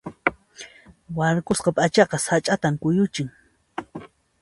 Warkusqa p'achaqa sach'ata kuyuchin.